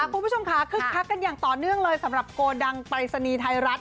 คุณผู้ชมค่ะคึกคักกันอย่างต่อเนื่องเลยสำหรับโกดังปรายศนีย์ไทยรัฐ